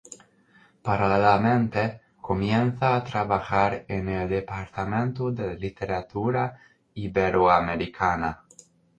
Paralelamente, comienza a trabajar en el Departamento de Literatura Iberoamericana.